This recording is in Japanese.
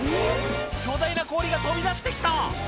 巨大な氷が飛び出して来た！